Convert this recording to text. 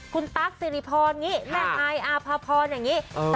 คุณตั๊กซิริพรงี้แม่ไออาพาพรอย่างงี้เออ